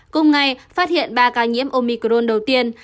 cùng ngày phát hiện ba ca nhiễm omicron đầu tiên